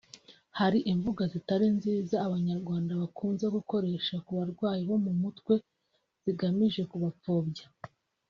Hari imvugo zitari nziza abanyarwanda bakunze gukoresha ku barwayi bo mu mutwe zigamije kubapfobya